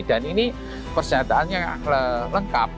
dan ini persyataannya lengkap